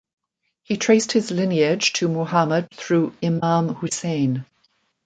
He traced his lineage to Muhammad through Imam Hussain.